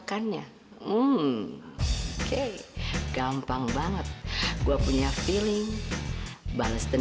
hah ngomong apa lu barusan